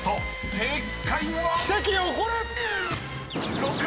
正解は⁉］